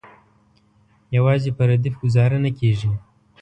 یوازې په ردیف ګوزاره نه کیږي.